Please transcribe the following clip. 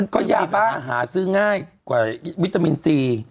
ก็ยาบ้าหาซื้อง่ายกว่าวิตามินซี